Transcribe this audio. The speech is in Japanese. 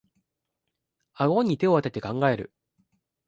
あごに手をあてて考える